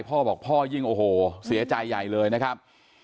พ่อบอกพ่อยิ่งโอ้โหเสียใจใหญ่เลยนะครับ